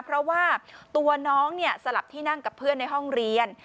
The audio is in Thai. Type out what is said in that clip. เพราะว่าตัวน้องสลับที่นั่งกับเพื่อนในห้องเรียน